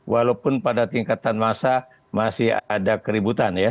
walaupun pada tingkatan masa masih ada keributan ya